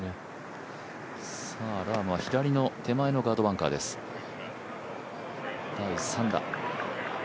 ラームは左の手前のガードバンカーです、第３打。